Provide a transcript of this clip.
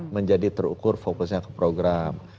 menjadi terukur fokusnya ke program